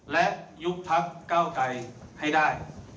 และยุคพรรคก้าวไกลให้ได้